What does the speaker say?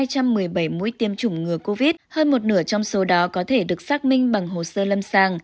trường hợp của người đàn ông đã tự đặt ra câu hỏi sau nhiều lần tiêm chủng ngừa covid hơn một nửa trong số đó có thể được xác minh bằng hồ sơ lâm sàng